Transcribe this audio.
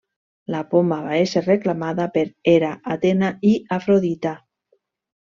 La poma va ésser reclamada per Hera, Atena, i Afrodita.